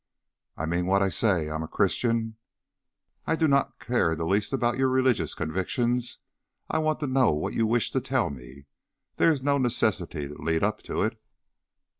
"I mean what I say. I'm a Christian " "I do not care in the least about your religious convictions. I want to know what you wish to tell me. There is no necessity to lead up to it."